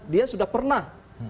dia sudah pernah